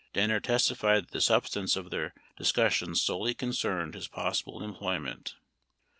Danner testified that the substance of their dis cussions solely concerned his possible employment.